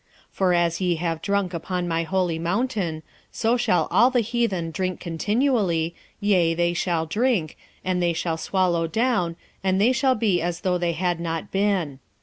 1:16 For as ye have drunk upon my holy mountain, so shall all the heathen drink continually, yea, they shall drink, and they shall swallow down, and they shall be as though they had not been.